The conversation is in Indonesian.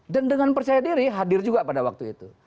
dan dengan percaya diri hadir juga pada waktu itu